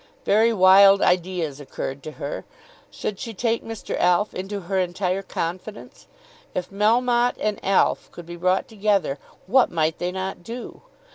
Very wild ideas occurred to her. Should she take Mr. Alf into her entire confidence? If Melmotte and Alf could be brought together what might they not do?